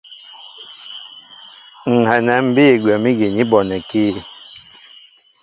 Ŋ̀ hɛnɛ ḿ bîy gwɛ̌m ígi ni bɔnɛkí.